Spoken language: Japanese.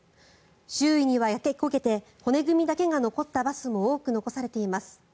周囲には焼け焦げて骨組みだけが残ったバスも多く残されています。